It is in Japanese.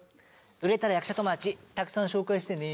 売れたら役者友達たくさん紹介してね。